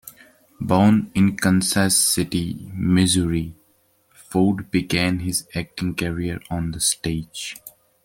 Born in Kansas City, Missouri, Ford began his acting career on the stage.